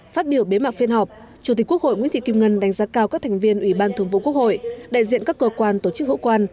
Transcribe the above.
phát biểu bế mạc phiên họp chủ tịch quốc hội nguyễn thị kim ngân đánh giá cao các thành viên ủy ban thường vụ quốc hội đại diện các cơ quan tổ chức hữu quan